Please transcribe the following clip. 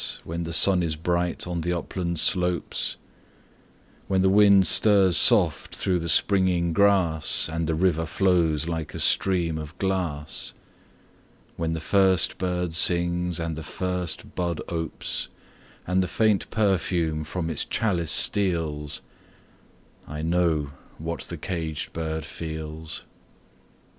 When the sun is bright on the upland slopes; When the wind stirs soft through the springing grass, And the river flows like a stream of glass; When the first bird sings and the first bud opes, And the faint perfume from its chalice steals I know what the caged bird feels!